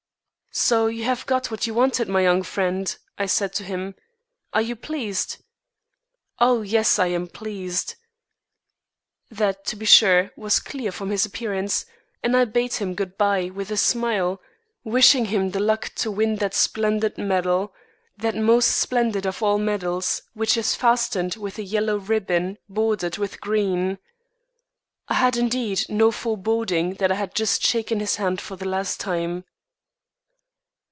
"So you have got what you wanted, my young friend," I said to him. "Are you pleased?" "Oh yes, I am pleased." That, to be sure, was clear from his appearance, and I bade him good bye with a smile, wishing him the luck to win that splendid medal, that most splendid of all medals, which is fastened with a yellow ribbon bordered with green. I had indeed no foreboding that I had just shaken his hand for the last time.